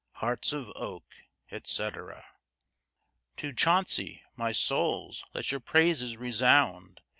Hearts of oak, etc. To Jauncey, my souls, let your praises resound!